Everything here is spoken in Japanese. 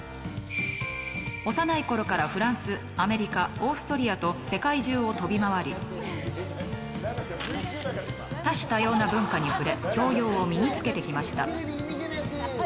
幼いころからフランス、アメリカオーストリアと世界中を飛び回り多種多様な文化に触れ教養を身に着けてきました。